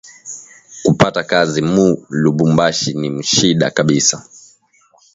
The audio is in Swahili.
Kupata kazi mu lubumbashi ni shida kabisa